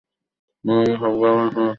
মানে, আমি শব্দটা আগেও শুনেছি।